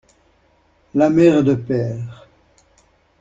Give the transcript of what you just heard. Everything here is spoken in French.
La mère de Pêr.